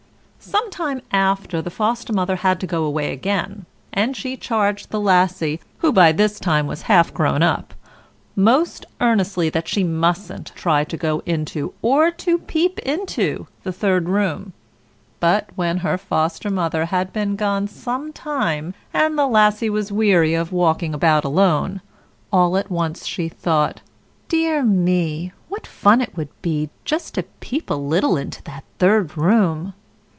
Some time after, the Foster mother had to go away again, and she charged the Lassie, who by this time was half grown up, most earnestly that she mustn't try to go into, or to peep into, the third room. But when her Foster mother had been gone some time, and the Lassie was weary of walking about alone, all at once she thought, "Dear me, what fun it would be just to peep a little into that third room."